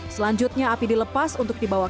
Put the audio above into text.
selanjutnya api dilepas untuk dibawa ke